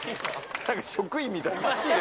なんか職員みたい。